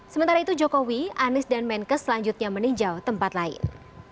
sementara itu jokowi anies dan menkes selanjutnya meninjau tempat lain